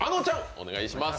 お願いします